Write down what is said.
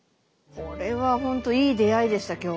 これは本当いい出会いでした今日は。